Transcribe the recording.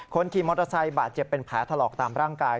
ขี่มอเตอร์ไซค์บาดเจ็บเป็นแผลถลอกตามร่างกาย